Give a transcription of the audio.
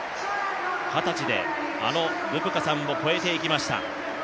二十歳であのブブカさんを超えていきました。